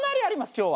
今日は。